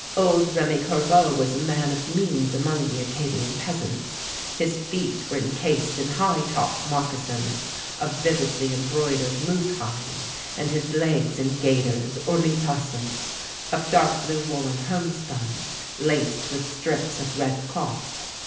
Old Remi Corveau was a man of means among the Acadian peasants. His feet were incased in high top moccasins of vividly embroidered moose hide, and his legs in gaiters, or mitasses, of dark blue woollen homespun, laced with strips of red cloth.